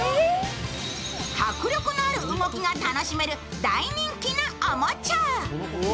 迫力のある動きが楽しめる大人気のおもちゃ。